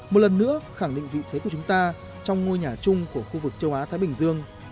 một lần nữa khẳng định vị thế của chúng ta trong ngôi nhà chung của khu vực châu á thái bình dương